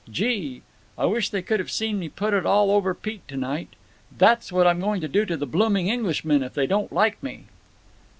Gee! I wish they could have seen me put it all over Pete to night! That's what I'm going to do to the blooming Englishmen if they don't like me."